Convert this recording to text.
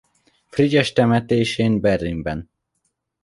Frigyes temetésén Berlinben.